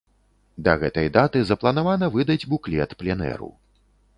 Да гэтай даты запланавана выдаць буклет пленэру.